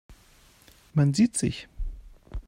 Man sieht sich.